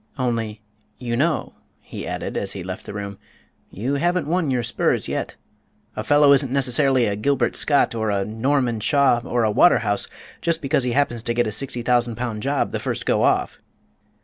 Only, you know," he added, as he left the room, "you haven't won your spurs yet. A fellow isn't necessarily a Gilbert Scott, or a Norman Shaw, or a Waterhouse just because he happens to get a sixty thousand pound job the first go off!"